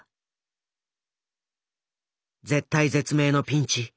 絶体絶命のピンチ。